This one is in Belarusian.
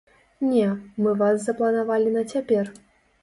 Не, мы вас запланавалі на цяпер.